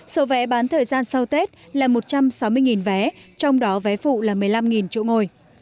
số vé bán thời gian sau tết là một trăm sáu mươi vé trong đó vé phụ là một mươi năm chỗ ngồi